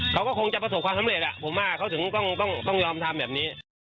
เขาก็คงจะประสบความสำเร็จผมว่าเขาถึงต้องยอมทำแบบนี้